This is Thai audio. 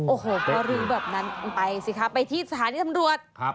โอ้โหก็รู้แบบนั้นไปสิคะไปที่สถานีตำรวจ